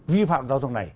vi phạm đào thông này